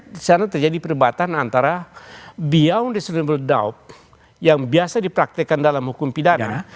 disana terjadi perdebatan antara beyond reasonable doubt yang biasa dipraktekkan dalam hukum pidana